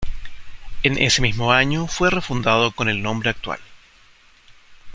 En ese mismo año fue refundado con el nombre actual.